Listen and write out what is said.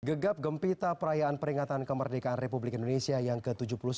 gegap gempita perayaan peringatan kemerdekaan republik indonesia yang ke tujuh puluh satu